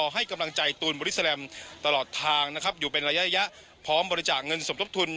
ให้กำลังใจตูนบริสแลมตลอดทางนะครับอยู่เป็นระยะพร้อมบริจาคเงินสมทบทุน